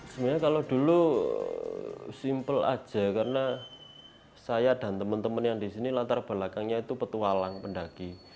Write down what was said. sebenarnya kalau dulu simpel aja karena saya dan teman teman yang di sini latar belakangnya itu petualang pendaki